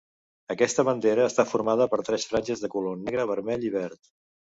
Aquesta bandera està formada per tres franges de color negre, vermell i verd.